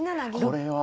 これは。